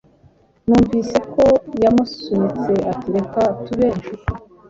Numvise ko yamusunitse, ati: "Reka tube inshuti."